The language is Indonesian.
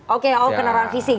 oke oh keonaran fisik